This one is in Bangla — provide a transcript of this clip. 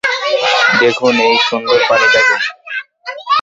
দেখুন এই সুন্দর প্রাণীটাকে!